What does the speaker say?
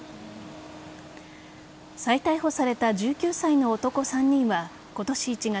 再逮捕された１９歳の男３人は今年１月